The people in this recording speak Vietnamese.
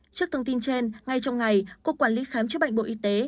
trước thông tin trên ngay trong ngày cục quản lý khám chữa bệnh bộ y tế